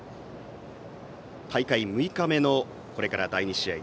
大会６日目のこれから第２試合。